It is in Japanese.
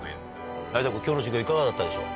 成田君今日の授業いかがだったでしょう？